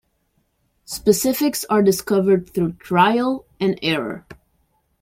Specifics are discovered through trial and error.